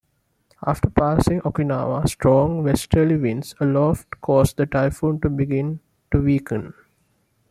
After passing Okinawa, strong westerly winds aloft caused the typhoon to begin to weaken.